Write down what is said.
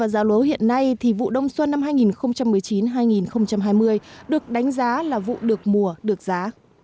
giá lúa hiện nay thì vụ đông xuân năm hai nghìn một mươi chín hai nghìn hai mươi được đánh giá là vụ được mùa được giá